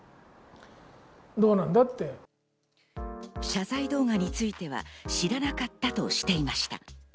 謝罪動画については知らなかったとしていました。